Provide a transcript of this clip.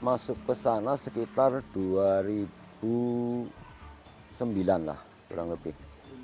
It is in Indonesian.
masuk kesana sekitar dua ribu sembilan lah kurang lebih